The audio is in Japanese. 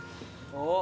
「おっ！」